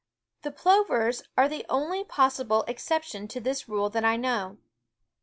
The plovers are the only possible excep tion to this rule that I know.